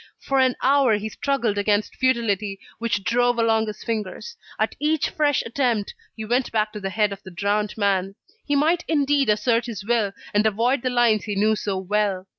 For an hour he struggled against futility, which drove along his fingers. At each fresh attempt, he went back to the head of the drowned man. He might indeed assert his will, and avoid the lines he knew so well.